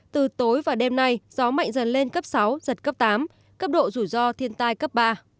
từ tối và đêm nay gió mạnh dần lên cấp sáu giật cấp tám cấp độ rủi ro thiên tai cấp ba